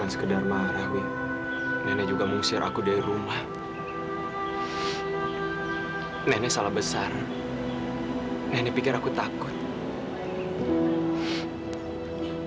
sampai jumpa di video selanjutnya